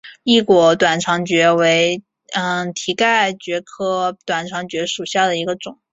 异果短肠蕨为蹄盖蕨科短肠蕨属下的一个种。